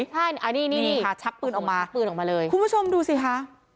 ใช่อันนี้นี่ค่ะชักปืนออกมาปืนออกมาเลยคุณผู้ชมดูสิคะ